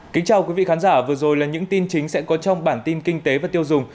kính chào quý vị khán giả vừa rồi là những tin chính sẽ có trong bản tin kinh tế và tiêu dùng